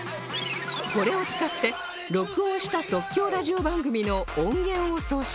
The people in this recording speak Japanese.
これを使って録音した即興ラジオ番組の音源を送信